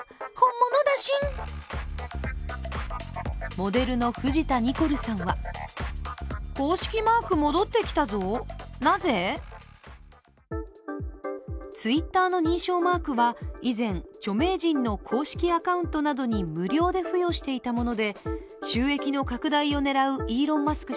モデルの藤田ニコルさんはＴｗｉｔｔｅｒの認証マークは以前著名人の公式アカウントなどに無料で付与していたもので、収益の拡大を狙うイーロン・マスク